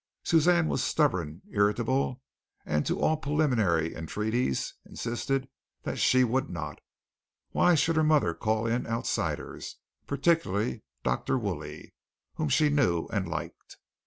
Suzanne was stubborn, irritable, and to all preliminary entreaties insisted that she would not. Why should her mother call in outsiders, particularly Dr. Woolley, whom she knew and liked.